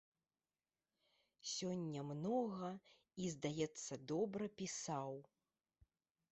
Сёння многа і, здаецца, добра пісаў.